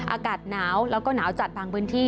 อากาศหนาวแล้วก็หนาวจัดบางพื้นที่